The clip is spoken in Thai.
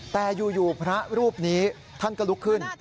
แต่อยู่พระรูปนี้ท่านก็ลุกขึ้น